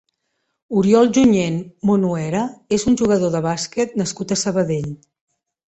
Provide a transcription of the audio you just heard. Oriol Junyent Monuera és un jugador de bàsquet nascut a Sabadell.